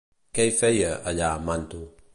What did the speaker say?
Què hi feia, allà, Manto?